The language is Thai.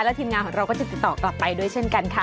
ทีมงานของเราก็จะติดต่อกลับไปด้วยเช่นกันค่ะ